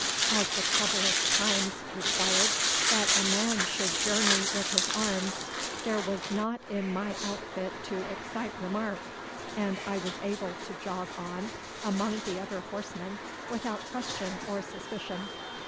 As the troublous times required that a man should journey with his arms, there was naught in my outfit to excite remark, and I was able to jog on among the other horsemen without question or suspicion.